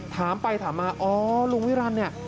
นั่นสิคะอ๋อลุงวิรันนี่